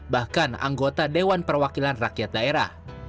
bahkan anggota dewan perwakilan rakyat daerah